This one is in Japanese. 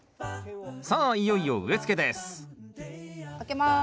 さあいよいよ植えつけです開けます。